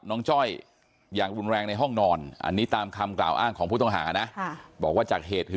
น้องจ้อยนั่งก้มหน้าไม่มีใครรู้ข่าวว่าน้องจ้อยเสียชีวิตไปแล้ว